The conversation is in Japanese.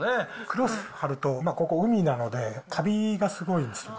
クロス貼ると、ここ、海なので、カビがすごいんですよ。